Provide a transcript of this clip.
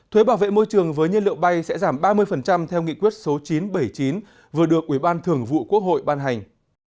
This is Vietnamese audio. thuế bảo vệ môi trường với nhiên liệu bay sẽ giảm ba mươi theo nghị quyết số chín trăm bảy mươi chín vừa được ủy ban thường vụ quốc hội ban hành